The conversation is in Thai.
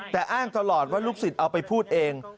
แต่อ้างตลอดว่าลูกศิษย์เอาไปพูดเอง